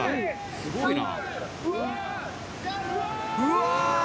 すごいな！